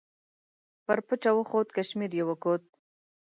پر پچه وخوت کشمیر یې وکوت.